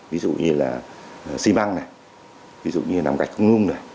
ví dụ như là xi măng ví dụ như là nằm gạch không ngung